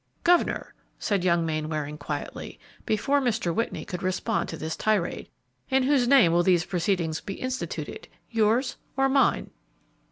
"Governor," said young Mainwaring, quietly, before Mr. Whitney could respond to this tirade, "in whose name will these proceedings be instituted, yours or mine?"